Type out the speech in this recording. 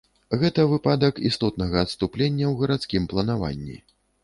Гэта выпадак істотнага адступлення ў гарадскім планаванні.